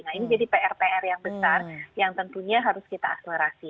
nah ini jadi pr pr yang besar yang tentunya harus kita akselerasi